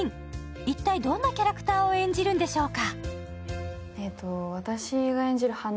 一体どんなキャラクターを演じるんでしょうか。